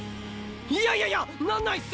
いやいやいやなんないす！！